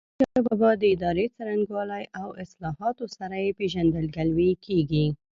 د احمدشاه بابا د ادارې څرنګوالي او اصلاحاتو سره یې پيژندګلوي کېږي.